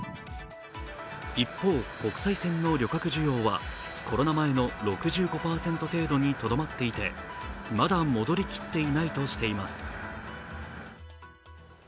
一方、国際線の旅客需要はコロナ前の６５％程度にとどまっていてまだ戻りきっていないとしています。